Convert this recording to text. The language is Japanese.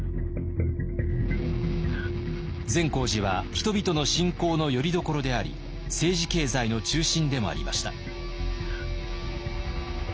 善光寺は人々の信仰のよりどころであり政治経済の中心でもありました。